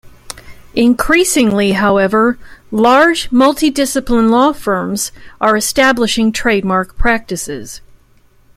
Increasingly however, large multi-discipline law firms are establishing trademark practices.